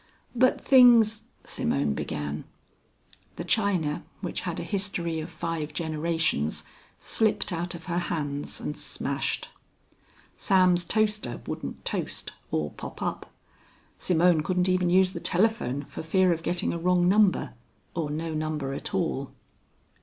"But things " Simone began. The china which had a history of five generations slipped out of her hands and smashed; Sam's toaster wouldn't toast or pop up; Simone couldn't even use the telephone for fear of getting a wrong number, or no number at all.